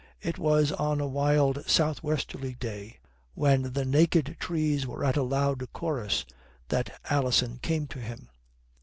It was on a wild south westerly day when the naked trees were at a loud chorus that Alison came to him.